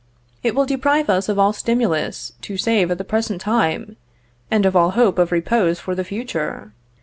It will deprive us of all stimulus to save at the present time, and of all hope of repose for the future.